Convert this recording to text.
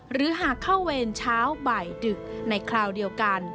หรือหากเข้าเวรเช้าบ่ายดึกในคราวเดียวกัน